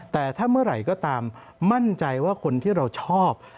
แต่ถ้าเมื่อไหร่ก็ตามมั่นใจว่าคนที่เราชอบ